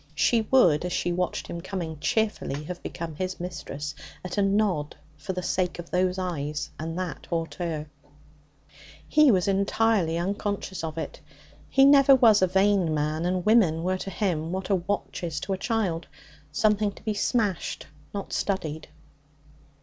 She would, as she watched him coming, cheerfully have become his mistress at a nod for the sake of those eyes and that hauteur. He was entirely unconscious of it. He never was a vain man, and women were to him what a watch is to a child something to be smashed, not studied.